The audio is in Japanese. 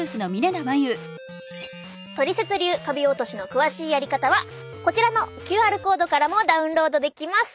トリセツ流カビ落としの詳しいやり方はこちらのＱＲコードからもダウンロードできます！